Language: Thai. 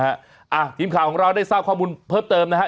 อ่าทีมข่าวของเราได้ทราบข้อมูลเพิ่มเติมนะฮะ